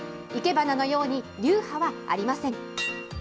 生け花のように流派はありません。